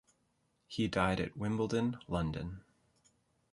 He died at Wimbledon, London.